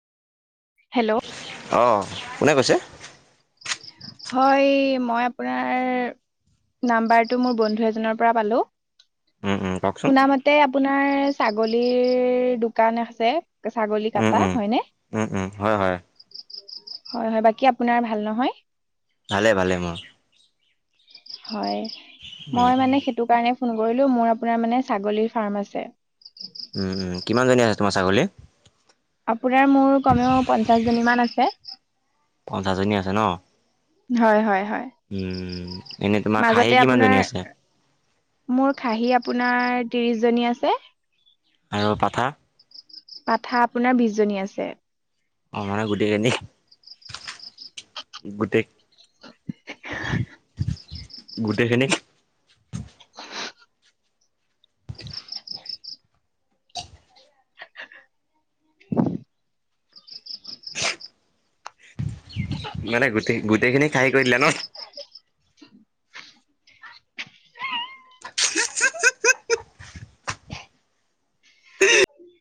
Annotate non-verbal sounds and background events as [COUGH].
Hello অ', কোনে কৈছে? হয় মই আপোনাৰ নম্বৰ টো মই বন্ধো এজনৰ পৰা পালো, উম, উম, কওকচোন। শুনামতে আপোনাৰ ছাগলীৰ দোকান আছে ছাগলী কাটা হয়নে? উ হয় হয়। হয় হয় বাকী আপোনাৰ ভাল নহয়? ভালে ভালে ম হয় উম, মই মানে সেইটো কাৰণে ফোন কৰিলো মোৰ আপোনাৰ মানে ছাগলীৰ ফাৰ্ম আছে। উম উম কিমান জনী আছে তোমাৰ ছাগলী? আপোনাৰ মোৰ কমেও পঞ্চাশ জনী মান আছে। পঞ্চাছজনী ন [UNINTELLIGIBLE] হয় হয়। হয় উম এনেই তোমাৰ খাহি মাজতে কিমান আপোনাৰ জনী আছে? মোৰ খাহী আপোনাৰ ত্ৰিশ জনী আছে। আৰু পাঠা? পাঠা আপোনাৰ বিশ জনী আছে। অ মানে গোটেই কেজনি গোটেই [INAUDIBLE] গোটেই খিনিক মানে গোটেই গোটেইখিনি খাহী কৰি দিলে ন?